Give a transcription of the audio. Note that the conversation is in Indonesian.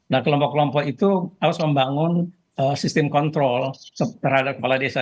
nah kelompok kelompok itu harus membangun sistem kontrol terhadap kepala desa